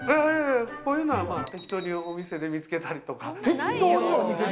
こういうのは適当にお店で見つけたりとか。